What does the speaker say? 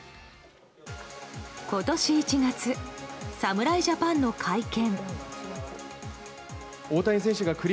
今年１月、侍ジャパンの会見。